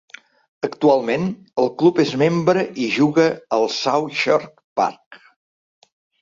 Actualment, el club és membre i juga al Southchurch Park.